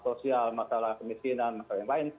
sosial masalah kemiskinan masalah yang lain